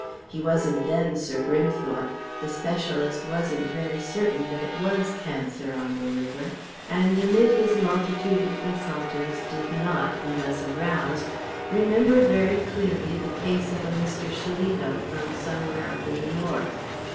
He wasn't then Sir Grimthorpe, the specialist wasn't very certain that it was cancer on the liver, and amid his multitude of consulters did not, unless aroused, remember very clearly the case of a Mr. Shillito from somewhere up in the North.